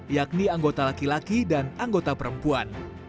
yakni anggota laki laki dan anggota perempuan